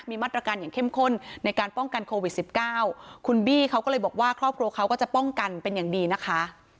มีมาตรการอย่างเข้มข้นในการป้องกันโควิดสิบเก้าคุณบี้เขาก็เลยบอกว่าครอบครัวเขาก็จะป้องกันเป็นอย่างดีนะคะ